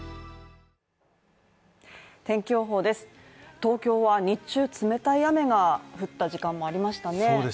東京は日中冷たい雨が降った時間もありましたね